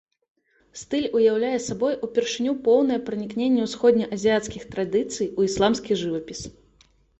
Стыль уяўляе сабой упершыню поўнае пранікненне ўсходне-азіяцкіх традыцый у ісламскі жывапіс.